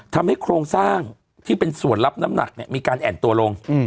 โครงสร้างที่เป็นส่วนรับน้ำหนักมีการแอ่นตัวลง